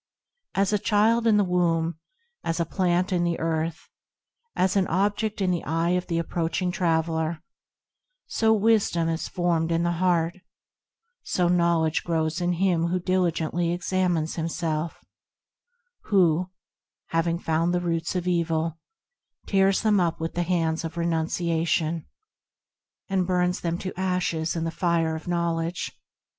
As a child in the womb. As a plant in the earth, As an object in the eye of the approaching traveller, So wisdom is formed in the heart, So knowledge grows in him who diligently examines himself; Who, having found the roots of evil, Tears them up with the hands of Renunciation, And burns them to ashes in the fire of Knowledge.